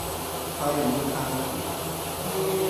Kaj mi kantis.